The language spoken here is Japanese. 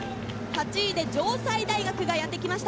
７位で中央大学がやってきました。